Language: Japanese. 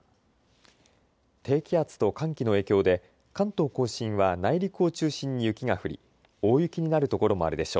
低気圧と寒気の影響で関東甲信は内陸を中心に雪が降り、大雪になるところもあるでしょう。